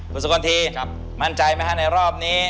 คุณสุกลทีมั่นใจไหมฮะในรอบนี้